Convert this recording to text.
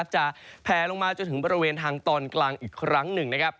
แผลลงมาจนถึงบริเวณทางตอนกลางอีกครั้งหนึ่ง